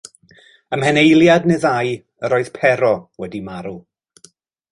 Ym mhen eiliad neu ddau, yr oedd Pero wedi marw.